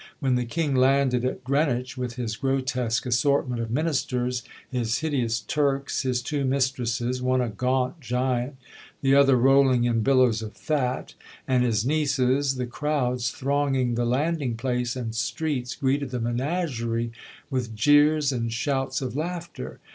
When the King landed at Greenwich with his grotesque assortment of Ministers, his hideous Turks, his two mistresses one a gaunt giant, the other rolling in billows of fat and his "nieces," the crowds thronging the landing place and streets greeted the "menagerie" with jeers and shouts of laughter.